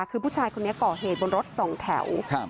คือผู้ชายคนนี้ก่อเหตุบนรถสองแถว